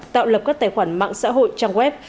tạo lập các tài khoản mạng xã hội trang web